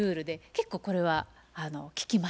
結構これは効きます。